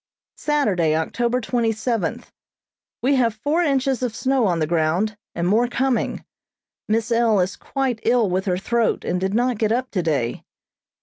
Saturday, October twenty seventh: We have four inches of snow on the ground, and more coming. Miss L. is quite ill with her throat, and did not get up today.